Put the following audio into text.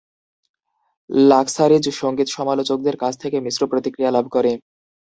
Luxuries সঙ্গীত সমালোচকদের কাছ থেকে মিশ্র প্রতিক্রিয়া লাভ করে।